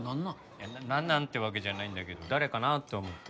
いやなんなん？ってわけじゃないんだけど誰かなって思って。